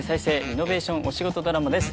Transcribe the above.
リノベーションお仕事ドラマです。